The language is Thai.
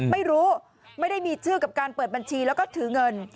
ไม่ได้มีชื่อกับการเปิดบัญชีแล้วก็ถือเงิน